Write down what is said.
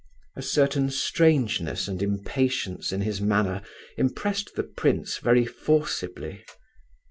_" A certain strangeness and impatience in his manner impressed the prince very forcibly.